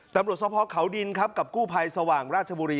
ตำรวจสภาพเขาดินครับกับกู้ภัยสว่างราชบุรี